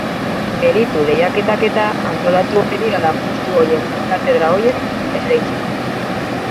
Meritu-lehiaketak-eta antolatu ohi dira lanpostu horiek, katedra horiek, esleitzeko.